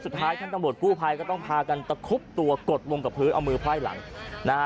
สุดท้ายท่านตำรวจกู้ภัยก็ต้องพากันตะคุบตัวกดลงกับพื้นเอามือไพ่หลังนะฮะ